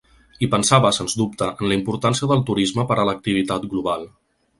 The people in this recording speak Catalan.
I pensava, sens dubte, en la importància del turisme per a l’activitat global.